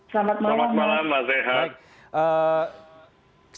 selamat malam mas zehat